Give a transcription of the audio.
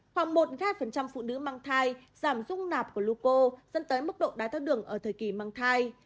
khoảng một hai phụ nữ mang thai giảm rung nạp glucô dẫn tới mức độ đai thác đường ở thời kỳ mang thai